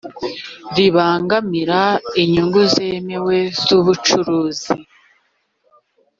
ribangamira inyungu zemewe z’ubucuruzi